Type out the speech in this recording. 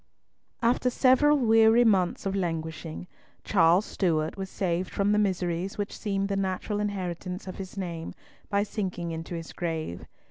After several weary months of languishing, Charles Stewart was saved from the miseries which seemed the natural inheritance of his name by sinking into his grave.